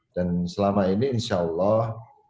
dan selama ini insya allah